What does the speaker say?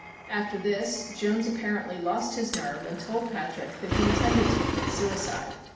After this Jones apparently lost his nerve and told Patrick that he intended to commit suicide.